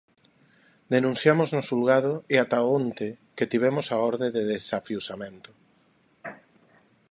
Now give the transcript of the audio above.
Denunciamos no xulgado e ata onte que tivemos a orde de desafiuzamento.